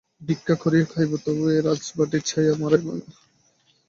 ভিক্ষা করিয়া খাইব, তবুও এ রাজবাটীর ছায়া মাড়াইব না।